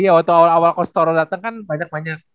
iya waktu awal kusutoro dateng kan banyak banyak